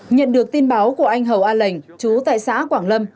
nhận được tin báo của anh hậu an lệnh chú tại xã quảng lâm